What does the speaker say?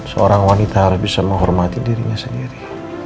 seorang wanita harus bisa menghormati dirinya sendiri